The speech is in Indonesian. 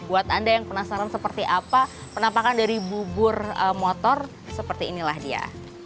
buat anda yang penasaran seperti apa penampakan dari bubur motor seperti inilah dia